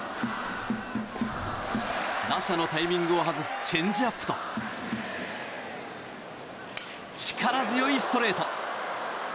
打者のタイミングを外すチェンジアップと力強いストレート！